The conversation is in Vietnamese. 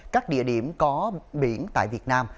các địa điểm có biển tại việt nam